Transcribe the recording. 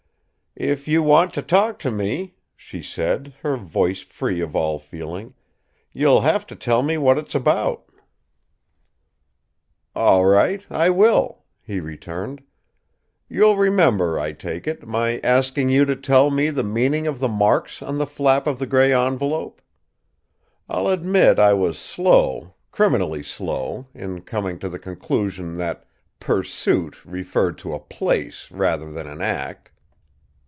"If you want to talk to me," she said, her voice free of all feeling, "you'll have to tell me what it's about." "All right; I will," he returned. "You'll remember, I take it, my asking you to tell me the meaning of the marks on the flap of the grey envelope. I'll admit I was slow, criminally slow, in coming to the conclusion that 'Pursuit!' referred to a place rather than an act.